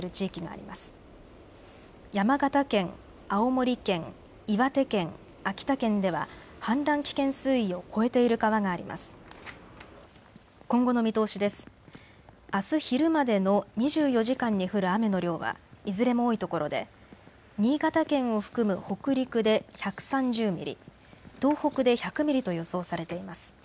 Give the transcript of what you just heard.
あす昼までの２４時間に降る雨の量はいずれも多いところで新潟県を含む北陸で１３０ミリ、東北で１００ミリと予想されています。